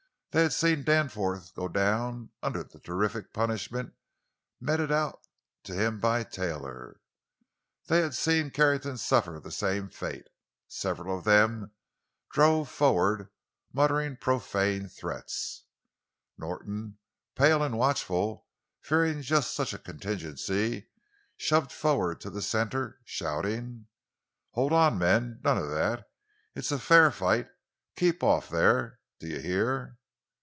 They had seen Danforth go down under the terrific punishment meted out to him by Taylor; they had seen Carrington suffer the same fate. Several of them drove forward, muttering profane threats. Norton, pale and watchful, fearing just such a contingency, shoved forward to the center, shouting: "Hold on, men! None of that! It's a fair fight! Keep off, there—do you hear?"